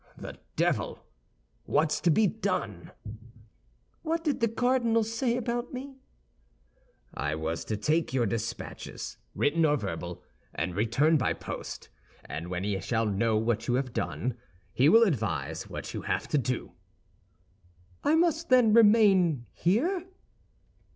"The devil! What's to be done?" "What did the cardinal say about me?" "I was to take your dispatches, written or verbal, and return by post; and when he shall know what you have done, he will advise what you have to do." "I must, then, remain here?"